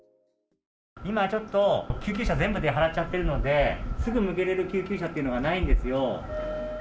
今ちょっと、救急車全部出払っちゃってるのですぐ向けられる救急車というのがないんですよ。